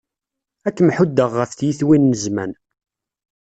Ad kem-ḥuddeɣ ɣef tyitwin n zzman.